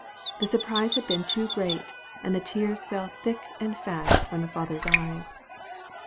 The surprise had been too great, and tears fell thick and fast from the father's eyes.